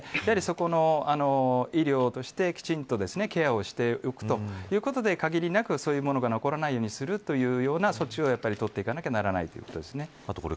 やはり保存とか管理が悪くなると、こういうものが残ってしまうのでやはりそこの医療としてきちんとケアをしておくということで限りなくそういうものが残らないようにするというような措置を取っていかなければならないということです。